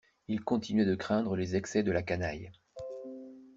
Ils continuaient de craindre les excès de la canaille.